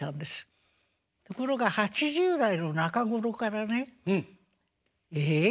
ところが８０代の中頃からねええ？